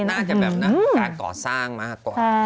น่าจะแบบนะการก่อสร้างมากกว่า